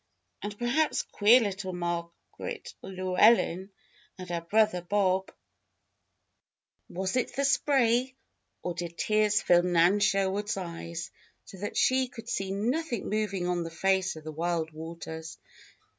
And perhaps queer little Margaret Llewellen and her brother, Bob Was it the spray, or did tears fill Nan Sherwood's eyes so that she could see nothing moving on the face of the wild waters?